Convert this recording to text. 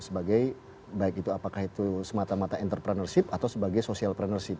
sebagai baik itu apakah itu semata mata entrepreneurship atau sebagai social plannership